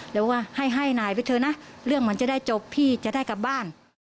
ได้ว่าให้นายด้วยเถอะนะเรื่องมันจะได้จบพี่จะได้กลับจะบ้าน